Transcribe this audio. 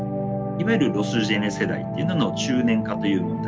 いわゆるロスジェネ世代というのの中年化という問題。